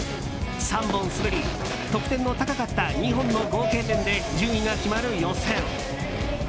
３本滑り得点の高かった２本の合計点で順位が決まる予選。